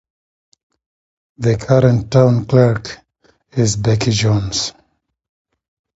The current Town Clerk is Becky Jones.